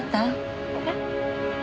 えっ？